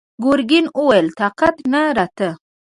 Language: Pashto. ګرګين وويل: طاقت نه راته!